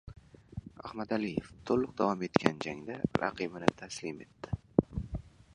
Ahmadaliyev to‘liq davom etgan jangda raqibini taslim etdi